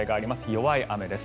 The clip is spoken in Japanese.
弱い雨です。